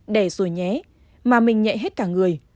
đẻ rồi nhé mà mình nhẹ hết cả người